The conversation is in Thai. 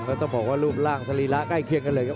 ก็ต้องบอกว่ารูปร่างสรีระใกล้เคียงกันเลยครับ